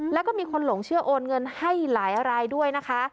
แล้วก็มีคนหลงเชื่อโอนเงินให้หลายรายด้วยนะคะ